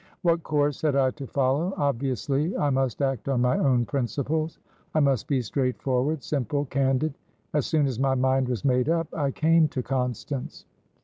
What course had I to follow? Obviously I must act on my own principles; I must be straightforward, simple, candid. As soon as my mind was made up, I came to Constance."